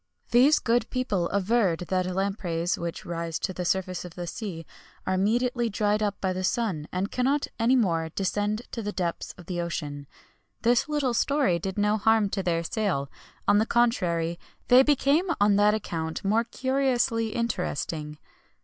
These good people averred that lampreys which rise to the surface of the sea are immediately dried up by the sun, and cannot any more descend to the depths of the ocean.[XXI 75] This little story did no harm to their sale; on the contrary, they became on that account more curiously interesting.